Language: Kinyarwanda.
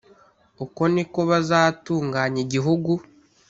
Uko ni ko bazatunganya igihugu